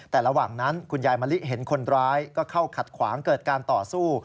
แต่ระหว่างนั้นคุณยายมะลิเห็นคนร้ายก็เข้าขัดขวางเกิดการต่อสู้